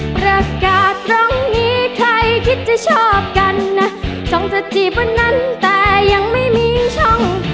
ประกาศตรงนี้ใครคิดจะชอบกันนะจงจะจีบวันนั้นแต่ยังไม่มีช่อง